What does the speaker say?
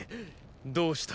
どうした。